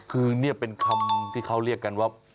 คือนี่เป็นคำที่เขาเรียกกันว่า